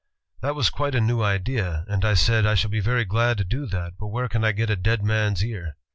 ' That was quite a new idea, and I said, 'I shall be very glad to do that, but where can I get a dead man's ear?'